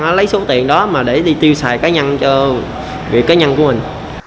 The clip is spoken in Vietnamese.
nó lấy số tiền đó mà để đi tiêu xài cá nhân cho việc cá nhân của mình